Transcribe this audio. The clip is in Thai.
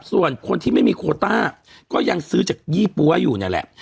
ส่วนคนที่ไม่มีโคต้าก็ยังซื้อจากยี่ปั๊วอยู่นั่นแหละ